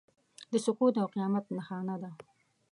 د سقوط او قیامت نښانه ده.